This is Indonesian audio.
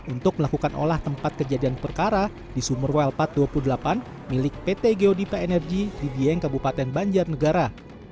untuk melakukan olah tempat kejadian perkara di sumur welfat dua puluh delapan milik pt geodipa energi di dieng kabupaten banjarnegara